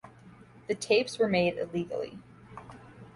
The tapes were made illegally.